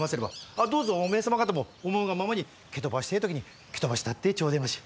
あっどうぞおめえ様方も思うがままに蹴飛ばしてえ時に蹴飛ばしたってちょでまし！